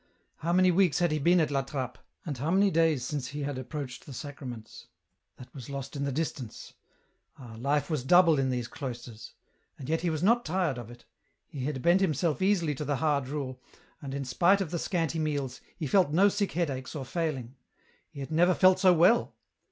How many weeks had he been at La Trappe, and how many days since had he approached the Sacraments ? that was lost in the distance. Ah, life was double in these cloisters ! And yet he was not tired of it ; he had bent himself easily to the hard rule, and, in spite of the scanty meals, he felt no sick headaches or failing ; he had never felt so well